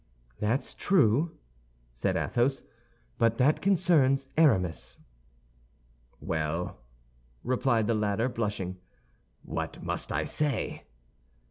"That's true," said Athos; "but that concerns Aramis." "Well," replied the latter, blushing, "what must I say?"